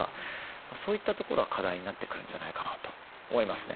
そういったところが課題になってくるんじゃないかなと思いますね。